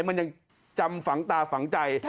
มันยังจำฝังตาฝังใจ